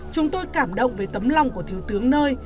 chúng tôi cảm động với tấm lòng của thiếu tướng nơi